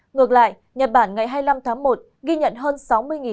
ngược lại nhật bản ngày hai mươi năm tháng một